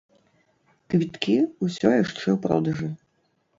Квіткі ўсё яшчэ ў продажы.